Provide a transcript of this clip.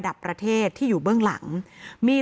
และการแสดงสมบัติของแคนดิเดตนายกนะครับ